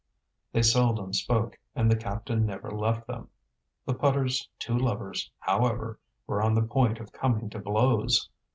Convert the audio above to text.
They seldom spoke, and the captain never left them. The putter's two lovers, however, were on the point of coming to blows.